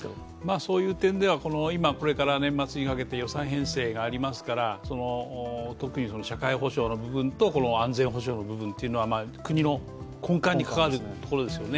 そういう点ではこれから年末にかけて予算編成がありますから特に社会保障の部分と安全保障の部分というのは国の根幹に関わるところですよね。